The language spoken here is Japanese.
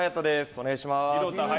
お願いします。